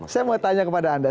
saya mau tanya kepada anda